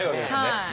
はい。